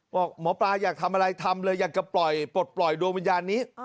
หมอปลาอยากทำอะไรทำเลยอยากจะปล่อยปลดปล่อยดวงวิญญาณนี้